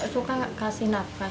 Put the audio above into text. suka kasih nafas